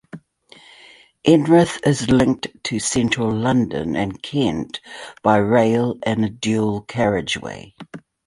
Erith is linked to central London and Kent by rail and a dual carriageway.